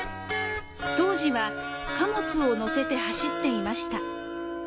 当時は貨物を載せて走っていました。